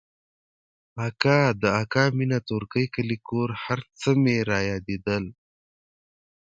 اکا د اکا مينه تورکى کلى کور هرڅه مې رايادېدل.